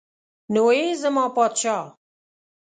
نو ای زما پادشاه.